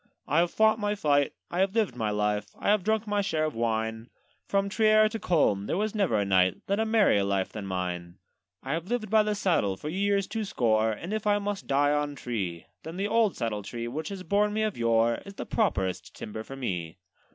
'I have fought my fight, I have lived my life, I have drunk my share of wine; From Trier to Coln there was never a knight Led a merrier life than mine. 'I have lived by the saddle for years two score; And if I must die on tree, Then the old saddle tree, which has borne me of yore, Is the properest timber for me.